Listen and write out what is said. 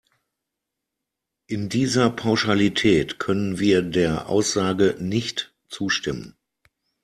In dieser Pauschalität können wir der Aussage nicht zustimmen.